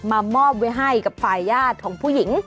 มามอบไว้ให้กับฝ่ายญาติของผู้หญิง